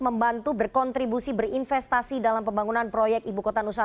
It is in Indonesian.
membantu berkontribusi berinvestasi dalam pembangunan negara